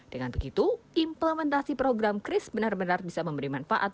dengan begitu implementasi program kris benar benar bisa memberi manfaat